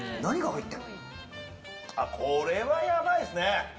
これはやばいですね。